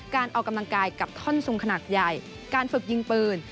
การออกกำลังกายกับท่อนซุงขนาดใหญ่การฝึกยิงปืน